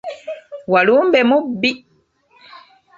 Walumbe mubbi!